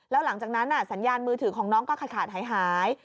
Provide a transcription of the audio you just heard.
แล้วหลังจากนั้นสัญญาณมือถือของน้องก็ขาดหาย